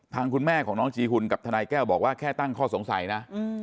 คุณแม่ของน้องจีหุ่นกับทนายแก้วบอกว่าแค่ตั้งข้อสงสัยนะ